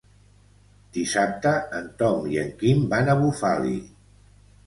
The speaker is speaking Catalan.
Dissabte en Tom i en Quim van a Bufali.